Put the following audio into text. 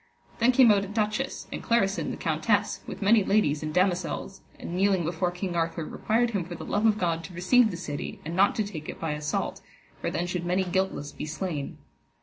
Then came out a duchess, and Clarisin the countess, with many ladies and damosels, and kneeling before King Arthur, required him for the love of God to receive the city, and not to take it by assault, for then should many guiltless be slain.